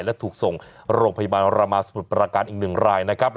และถูกส่งโรงพยาบาลรามาสมุทรประการอีก๑รายนะครับ